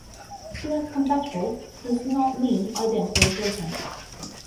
"Plug compatible" does not mean identical replacement.